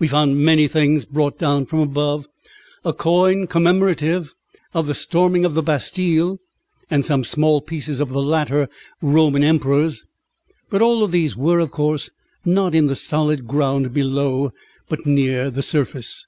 We found many things brought down from above, a coin commemorative of the storming of the Bastille, and some small pieces of the later Roman emperors. But all of these were, of course, not in the solid ground below, but near the surface.